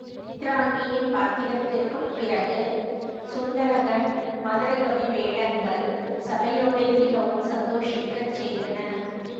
சித்ராங்கியின் பாத்திரத்திற்குப் பிறகு, சுந்தரகன் மதுரகவி வேடங்கள் சபையோரை மிகவும் சந்தோஷிக்கச் செய்தன.